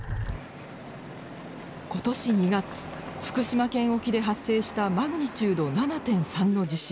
今年２月福島県沖で発生したマグニチュード７．３の地震。